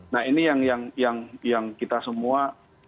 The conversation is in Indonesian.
nah ini yang kita semua